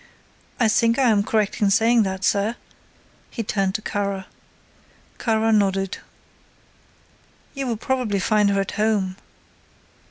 I think I am correct in saying that, sir," he turned to Kara. Kara nodded. "You will probably find her at home."